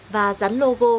và dán logo